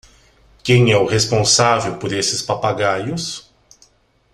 Quem é responsável por esses papagaios?